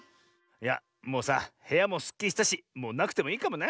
いやもうさへやもすっきりしたしもうなくてもいいかもな。